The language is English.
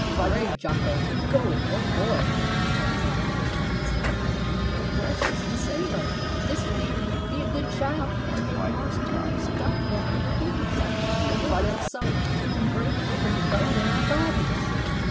"Hooray, Jocko! go it, old boy!" was Tommy's laughing response. "Oh, bress us an' save us! Missy Nanny, be a good chile, an' make Marse Tom stop dat yere beast, or we'll be upsot, an' break ebbery bone in our bodies!"